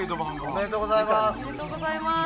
おめでとうございます。